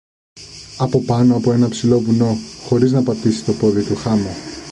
από πάνω από ένα ψηλό βουνό, χωρίς να πατήσει το πόδι του χάμω.